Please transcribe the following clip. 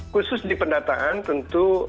khusus di pendataan tentu